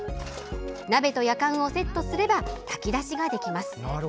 鍋と、やかんをセットすれば炊き出しができます。